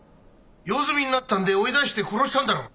用済みになったんで追い出して殺したんだろ？